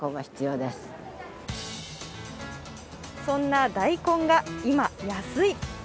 そんな大根が今、安い。